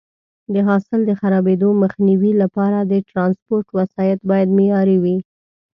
د حاصل د خرابېدو مخنیوي لپاره د ټرانسپورټ وسایط باید معیاري وي.